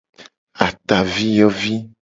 Ataviyovi.